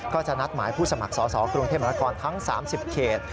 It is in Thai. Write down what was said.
ก็จะนัดหมายผู้สมัครสอสอกรุงเทพมนาคมทั้ง๓๐เขต